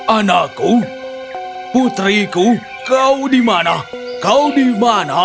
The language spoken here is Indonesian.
anakku putriku kau di mana kau di mana